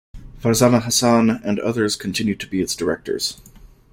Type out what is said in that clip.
Farzana Hassan and others continue to be its directors.